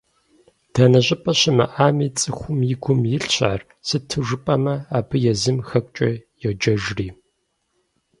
Дэнэ щӏыпӏэ щымыӏами, цӏыхум и гум илъщ ар, сыту жыпӏэмэ абы езым Хэкукӏэ йоджэжри.